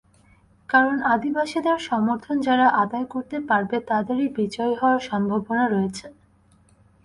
কারণ, আদিবাসীদের সমর্থন যাঁরা আদায় করতে পারবে, তাঁদেরই বিজয়ী হওয়ার সম্ভাবনা রয়েছে।